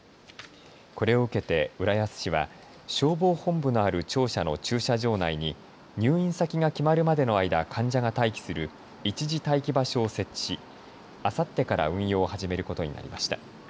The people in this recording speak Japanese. これを受けて浦安市は消防本部のある庁舎の駐車場内に入院先が決まるまでの間、患者が待機する一時待機場所を設置しあさってから運用を始めることになりました。